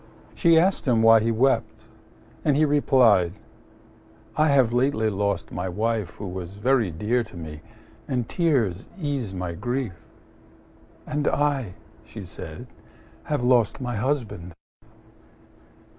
She asked him why he wept; and he replied, "I have lately lost my wife, who was very dear to me, and tears ease my grief." "And I," said she, "have lost my husband."